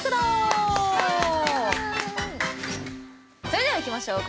それではいきましょう。